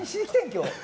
今日。